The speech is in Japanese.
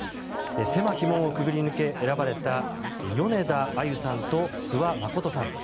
狭き門を潜り抜け、選ばれた米田あゆさんと諏訪理さん。